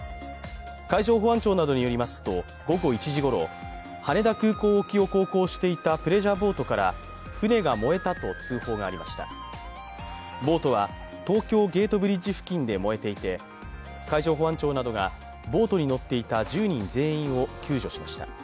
海上保安庁などによりますと、午後１時ごろ、羽田空港沖を航行していたプレジャーボートから、船が燃えたと通報がありましたボートは、東京ゲートブリッジ付近で燃えていて、海上保安庁などがボートに乗っていた１０人全員を救助しました。